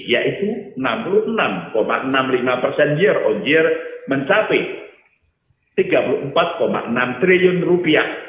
yaitu enam puluh enam enam puluh lima persen year on year mencapai tiga puluh empat enam triliun rupiah